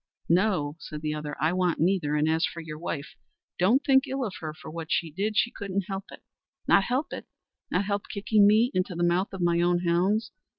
"No," said the other. "I want neither, and as for your wife, don't think ill of her for what she did, she couldn't help it." "Not help it! Not help kicking me into the mouth of my own hounds!